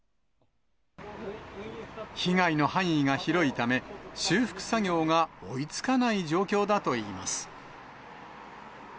被害の範囲が広いため、修復作業が追いつかない状況だといいます。